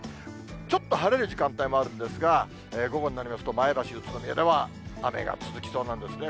ちょっと晴れる時間帯もあるんですが、午後になりますと、前橋、宇都宮では雨が続きそうなんですね。